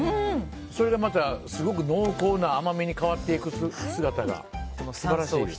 それがまたすごく濃厚な甘みに変わっていく姿が素晴らしいです。